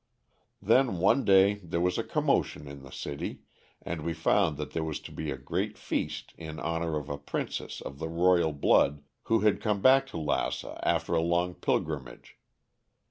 Then one day there was a commotion in the city, and we found that there was to be a great feast in honor of a princess of the royal blood who had come back to Lassa after a long pilgrimage.